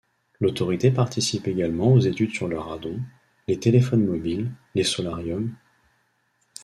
L'autorité participe également aux études sur le radon, les téléphones mobiles, les solariums...